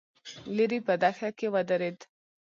ليرې په دښته کې ودرېد.